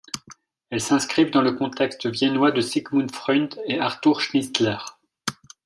Elles s’inscrivent dans le contexte viennois de Sigmund Freud et Arthur Schnitzler.